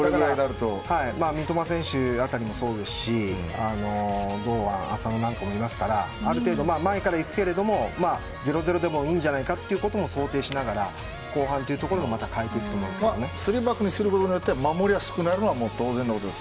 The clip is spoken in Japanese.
三笘選手あたりもそうですし堂安、浅野なんかもいますからある程度、前からいくけれども０対０でもいいんじゃないかということも想定しながら後半というところで３バックにすることによって守りが薄くなるのは当然です。